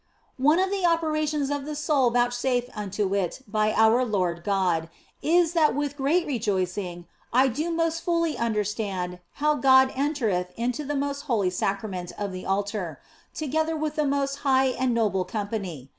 One of the operations of the soul vouchsafed unto it by our Lord God is that with great rejoicing I do most fully understand how God entereth into the most holy Sacrament of the Altar, together with that most high and noble company.